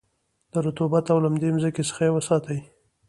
د رطوبت او لمدې مځکې څخه یې وساتی.